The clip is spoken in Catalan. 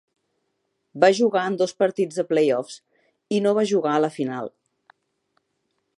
Va jugar en dos partits de playoffs i no va jugar a la final.